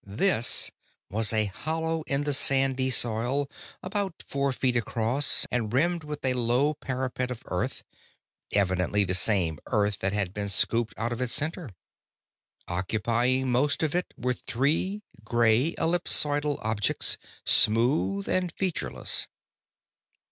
'This' was a hollow in the sandy soil, about four feet across and rimmed with a low parapet of earth evidently the same earth that had been scooped out of its center. Occupying most of it were three grey, ellipsoidal objects, smooth and featureless.